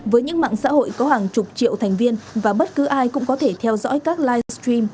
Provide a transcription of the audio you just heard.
với những mạng xã hội có hàng chục triệu thành viên và bất cứ ai cũng có thể theo dõi các livestream